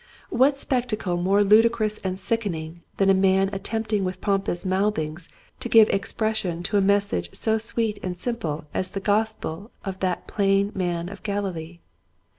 What spectacle more ludicrous and sickening than a man attempting with pompous mouthings to give expression to a mes sage so sweet and simple as the gospel of that plain man of Galilee.